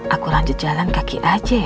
aku lanjut jalan kaki aja ya